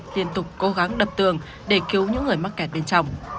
liên tục cố gắng đập tường để cứu những người mắc kẹt bên trong